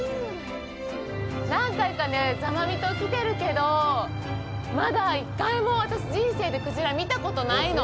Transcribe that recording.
何回かね、座間味島に来てるけど、まだ１回も私、人生で鯨を見たことないの。